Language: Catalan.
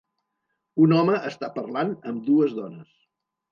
Un home està parlant amb dues dones.